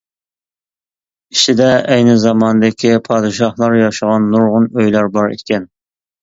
ئىچىدە ئەينى زاماندىكى پادىشاھلار ياشىغان نۇرغۇن ئۆيلەر بار ئىكەن.